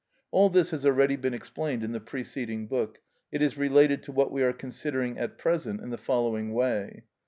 All this has already been explained in the preceding book; it is related to what we are considering at present in the following way.